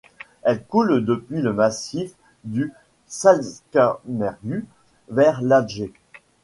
Elle coule depuis le massif du Salzkammergut vers l'Ager.